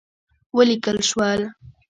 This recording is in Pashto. وليکل شول: